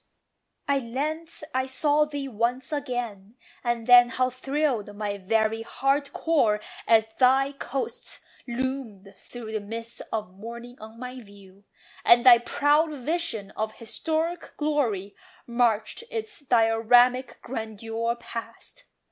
At length I saw thee once again! and then How thrilled my very heart core as thy coasts Loomed through the mists of morning on my view, And thy proud vision of historic glory Marched in its dioramic grandeur past!